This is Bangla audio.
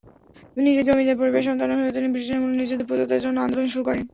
নিজে জমিদার পরিবারের সন্তান হয়েও তিনি ব্রিটিশ আমলে নির্যাতিত প্রজাদের জন্য আন্দোলন শুরু করেন।